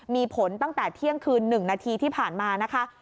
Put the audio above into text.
มีผลตั้งแต่เที่ยงคืน๑นาทีที่ผ่านมานะคะ